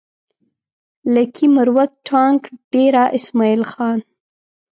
لکي مروت ټانک ډېره اسماعيل خان